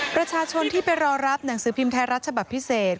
ประชาชนที่ไปรอรับหนังสือพิมพ์ไทยรัฐฉบับพิเศษ